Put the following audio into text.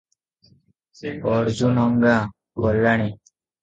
ଅର୍ଜୁନଗାଁ ଗଲାଣି?